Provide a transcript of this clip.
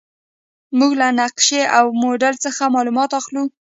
موږ له نقشې او موډل څخه معلومات اخلو.